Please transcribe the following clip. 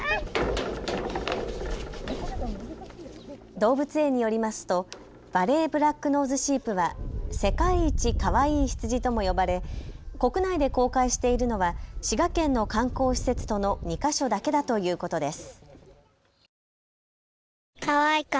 動物園によりますとヴァレーブラックノーズシープは世界一かわいい羊とも呼ばれ国内で公開しているのは滋賀県の観光施設との２か所だけだということです。